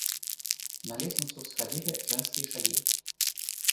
На лестницу всходили женские шаги.